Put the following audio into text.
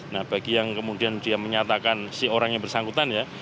nah bagi yang kemudian dia menyatakan si orang yang bersangkutan ya